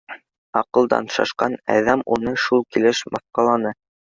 Аҡылдан шашҡан әҙәм уны шул килеш мыҫҡылланы